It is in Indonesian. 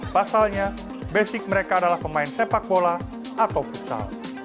pasalnya basic mereka adalah pemain sepak bola atau futsal